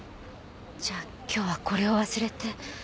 じゃあ今日はこれを忘れて。